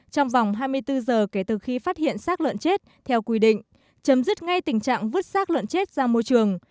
trong vòng hai mươi bốn giờ kể từ khi phát hiện sát lợn chết theo quy định chấm dứt ngay tình trạng vứt sát lợn chết ra môi trường